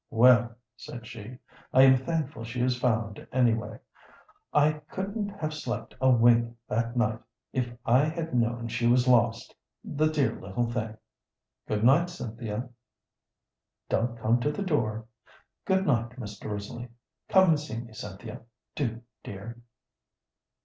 "Well," said she, "I am thankful she is found, anyway; I couldn't have slept a wink that night if I had known she was lost, the dear little thing. Good night, Cynthia; don't come to the door. Good night, Mr. Risley. Come and see me, Cynthia do, dear."